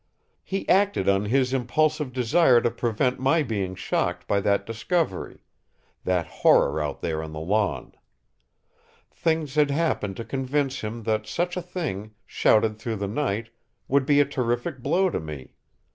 "He acted on his impulsive desire to prevent my being shocked by that discovery that horror out there on the lawn. Things had happened to convince him that such a thing, shouted through the night, would be a terrific blow to me.